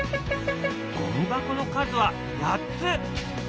ゴミ箱の数は８つ！